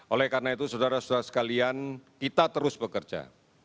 oleh karena itu saudara saudara sekalian kita terus bekerja